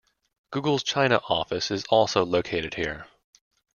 Google's China office is also located here.